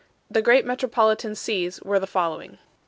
The great me tropolitan sees were the following.